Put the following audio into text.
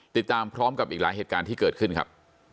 ติดตามพร้อมกับอีกหลายเหตุการณ์ที่เกิดขึ้นครับ